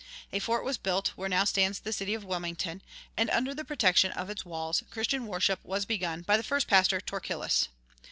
A fort was built where now stands the city of Wilmington, and under the protection of its walls Christian worship was begun by the first pastor, Torkillus.